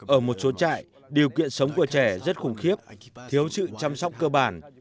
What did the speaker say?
ở một số trại điều kiện sống của trẻ rất khủng khiếp thiếu sự chăm sóc cơ bản